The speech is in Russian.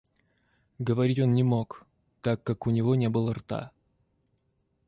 Говорить он не мог, так как у него не было рта.